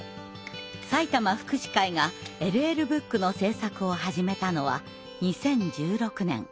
埼玉福祉会がＬＬブックの制作を始めたのは２０１６年。